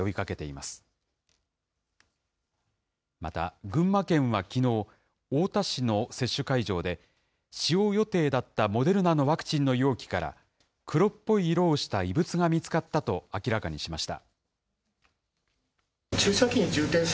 また群馬県はきのう、太田市の接種会場で、使用予定だったモデルナのワクチンの容器から、黒っぽい色をした異物が見つかったと明らかにしました。